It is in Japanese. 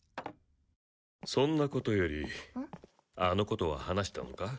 そんなことよりあのことは話したのか？